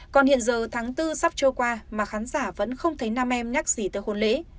còn hiện giờ tháng bốn sắp trôi qua mà khán giả vẫn không thấy nam em nhắc gì tới hôn lễ